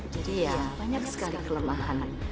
jadi ya banyak sekali kelemahan